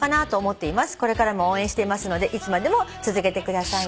「これからも応援していますのでいつまでも続けてくださいね」